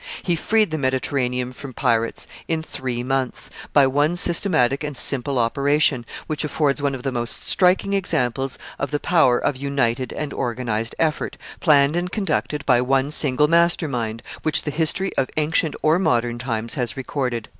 He freed the Mediterranean from pirates in three months, by one systematic and simple operation, which affords one of the most striking examples of the power of united and organized effort, planned and conducted by one single master mind, which the history of ancient or modern times has recorded.